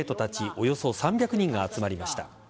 およそ３００人が集まりました。